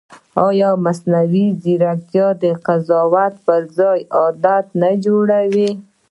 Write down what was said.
ایا مصنوعي ځیرکتیا د قضاوت پر ځای عادت نه جوړوي؟